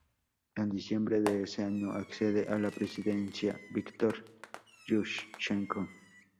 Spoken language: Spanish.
En diciembre de ese año accede a la presidencia Víktor Yúshchenko.